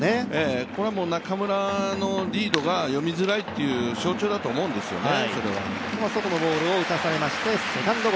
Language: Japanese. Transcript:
これは中村のリードが読みづらいっていう象徴だと思いますね。